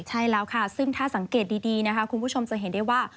ใช่แล้วค่ะซึ่งถ้าสังเกตดีนะคะคุณผู้ชมจะเห็นได้ว่า